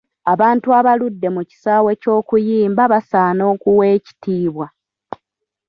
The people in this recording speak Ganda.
Abantu abaludde mu kisaawe ky’okuyimba basaana okuwa ekitiibwa.